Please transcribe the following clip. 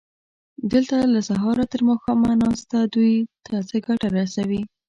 دلته له سهاره تر ماښامه ناسته دوی ته څه ګټه رسوي؟